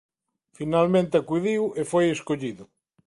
Finalmente acudiu e foi escollido.